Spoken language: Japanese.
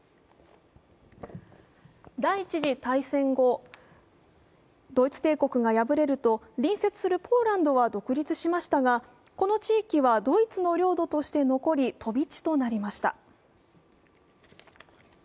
第一次大戦後、ドイツ帝国が敗れると隣接するポーランドは独立しましたがこの地域はドイツの領土として残り、飛び地となりました。